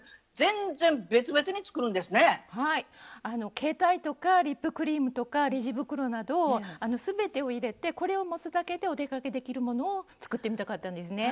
携帯とかリップクリームとかレジ袋など全てを入れてこれを持つだけでお出かけできるものを作ってみたかったんですね。